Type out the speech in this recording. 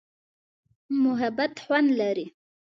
محبت خوند لري.